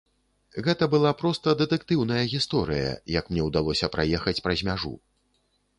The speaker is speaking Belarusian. Гэта была проста дэтэктыўная гісторыя, як мне ўдалося праехаць праз мяжу.